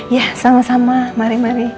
ya sama sama mari mari